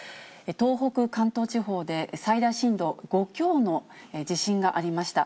東北、関東地方で最大震度５強の地震がありました。